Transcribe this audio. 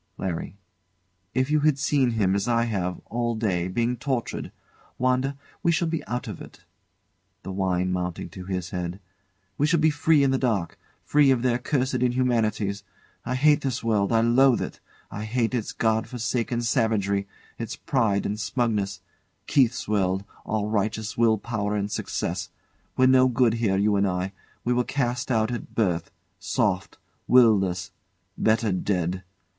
LARRY. If you had seen him, as I have, all day, being tortured. Wanda, we shall be out of it. [The wine mounting to his head] We shall be free in the dark; free of their cursed inhumanities. I hate this world I loathe it! I hate its God forsaken savagery; its pride and smugness! Keith's world all righteous will power and success. We're no good here, you and I we were cast out at birth soft, will less better dead.